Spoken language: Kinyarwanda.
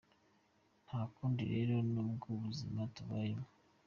Nta kundi rero n’ubwo buzima tubayemo.